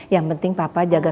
yang penting papa jaga